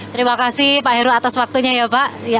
terima kasih pak heru atas waktunya ya pak